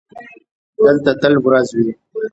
دلته تل ورځ وي.